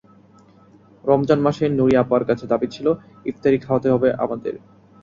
রমজান মাসে নূরী আপার কাছে দাবি ছিল, ইফতারি খাওয়াতে হবে আমাদের।